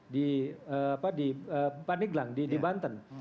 di apa di paneglang di banten